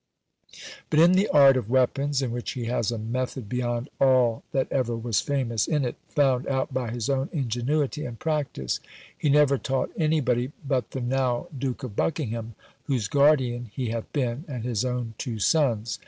But in the art of weapons (in which he has a method beyond all that ever was famous in it, found out by his own ingenuity and practice) he never taught any body but the now Duke of Buckingham, whose guardian he hath been, and his own two sons.